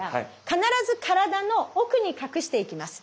必ず体の奥に隠していきます。